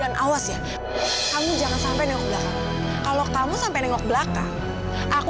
dan awas ya kamu jangan sampai nengok kalau kamu sampai nengok belakang aku